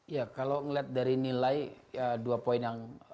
ya kalau melihat dari nilai dua poin yang